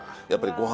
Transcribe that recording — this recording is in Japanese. やっぱり